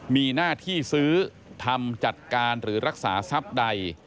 มีหน้าที่ซื้อทำจัดการหรือรักษาทรัพย์ใด